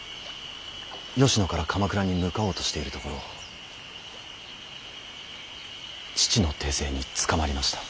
吉野から鎌倉に向かおうとしているところを父の手勢に捕まりました。